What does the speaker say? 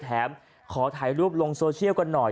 ขอถ่ายรูปลงโซเชียลกันหน่อย